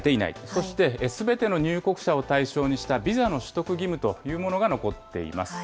そして、すべての入国者を対象にしたビザの取得義務というものが残っています。